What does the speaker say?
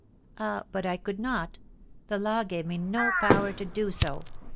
"Ah, but I could not, the law gave me no power to do so.